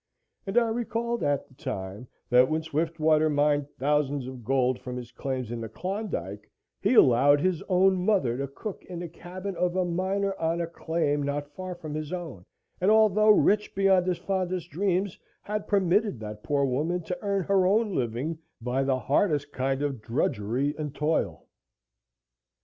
And I recalled at the time that when Swiftwater mined thousands of gold from his claims in the Klondike he allowed his own mother to cook in a cabin of a miner on a claim not far from his own, and although rich beyond his fondest dreams had permitted that poor woman to earn her own living by the hardest kind of drudgery and toil.